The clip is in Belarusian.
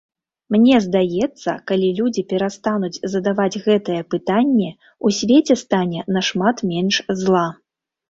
Мне здаецца, калі людзі перастануць задаваць гэтае пытанне, у свеце стане нашмат менш зла.